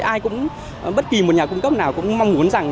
ai cũng bất kỳ một nhà cung cấp nào cũng mong muốn rằng